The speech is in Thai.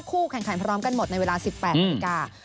คู่แข่งขันพร้อมกันหมดในเวลา๑๘นาฬิกา